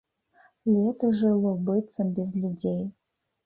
Лета жыло быццам без людзей.